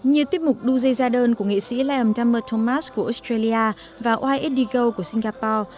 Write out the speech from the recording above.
như tiếp mục đu dây ra đơn của nghệ sĩ liam dumber thomas của australia và ysd go của singapore